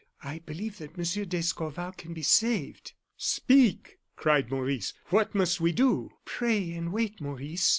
I believe that Monsieur d'Escorval can be saved." "Speak!" cried Maurice; "what must we do?" "Pray and wait, Maurice.